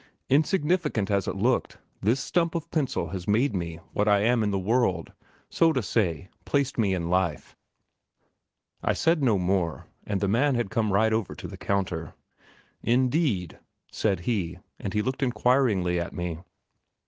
Insignificant as it looked, this stump of pencil had simply made me what I was in the world, so to say, placed me in life." I said no more. The man had come right over to the counter. "Indeed!" said he, and he looked inquiringly at me.